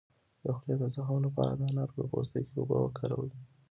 د خولې د زخم لپاره د انار د پوستکي اوبه وکاروئ